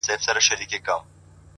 o زموږ د كلي څخه ربه ښكلا كډه كړې،